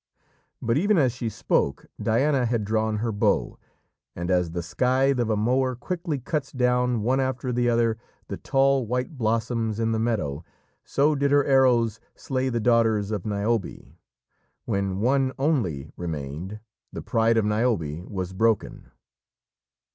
But even as she spoke, Diana had drawn her bow, and as the scythe of a mower quickly cuts down, one after the other, the tall white blossoms in the meadow, so did her arrows slay the daughters of Niobe. When one only remained, the pride of Niobe was broken.